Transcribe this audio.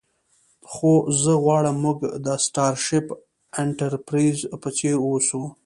خو زه غواړم موږ د سټارشیپ انټرپریز په څیر اوسو